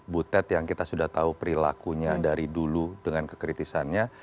butet yang kita sudah tahu perilakunya dari dulu dengan kekritisannya